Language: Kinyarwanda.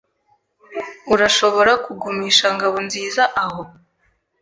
Urashobora kugumisha Ngabonziza aho?